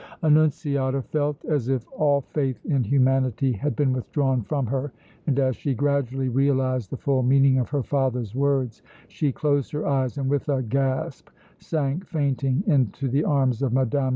Annunziata felt as if all faith in humanity had been withdrawn from her, and as she gradually realized the full meaning of her father's words she closed her eyes and with a gasp sank fainting into the arms of Mme.